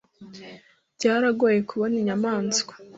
Byaragoye kubona inyamanswa.